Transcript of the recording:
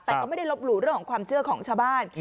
แต่ก็ไม่ได้ลบหลู่เรื่องของความเชื่อของชาวบ้าน